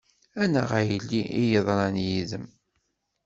Annaɣ a yelli, i yeḍran yid-m.